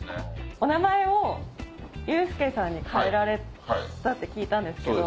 お名前をユースケさんに変えられたって聞いたんですけど。